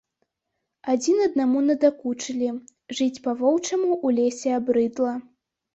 Адзін аднаму надакучылі, жыць па-воўчаму ў лесе абрыдла.